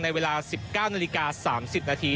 เวลา๑๙นาฬิกา๓๐นาที